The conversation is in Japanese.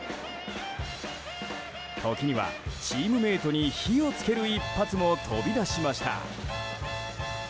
時にはチームメートに火を付ける一発も飛び出しました。